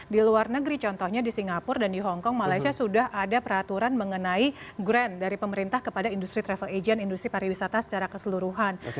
di luar negeri contohnya di singapura dan di hongkong malaysia sudah ada peraturan mengenai grand dari pemerintah kepada industri travel agent industri pariwisata secara keseluruhan